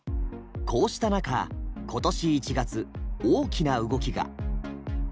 こうした中今年１月大きな動きが。